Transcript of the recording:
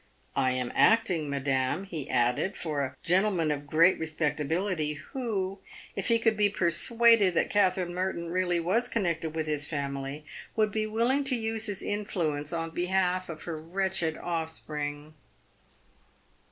" I am acting, madam," he added, " for a gentleman of great respectability, who, if he could be persuaded that Katherine Merton really was connected with his family, would be willing to use his influence on behalf of her wretched offspring."